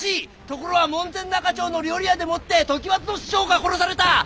所は門前仲町の料理屋でもって常磐津の師匠が殺された！